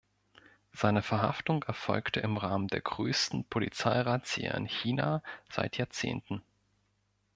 Seine Verhaftung erfolgte im Rahmen der größten Polizeirazzia in China seit Jahrzehnten.